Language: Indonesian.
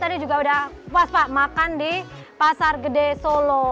tadi juga udah puas pak makan di pasar gede solo